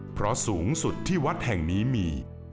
เพราะสูงสุดที่วัดแห่งนี้มี